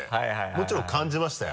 もちろん感じましたよ